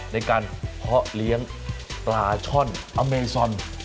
ในการเพาะเลี้ยงปลาช่อนอเมซอน